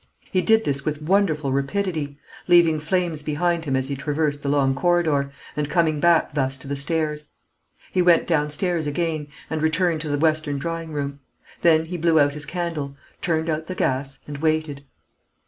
He did this with wonderful rapidity, leaving flames behind him as he traversed the long corridor, and coming back thus to the stairs. He went downstairs again, and returned to the western drawing room. Then he blew out his candle, turned out the gas, and waited.